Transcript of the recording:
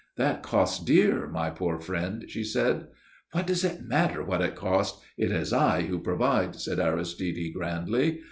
"That costs dear, my poor friend," she said. "What does it matter what it costs? It is I who provide," said Aristide, grandly.